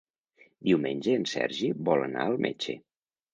Diumenge en Sergi vol anar al metge.